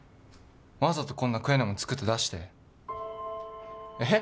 わざとこんな食えねぇもん作って出してえっ？